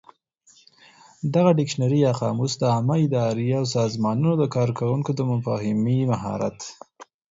دغه ډکشنري یا قاموس د عامه ادارې او سازمانونو د کارکوونکو د مفاهمې مهارت